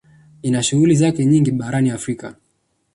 Ina shughuli zake nyingi barani Afrika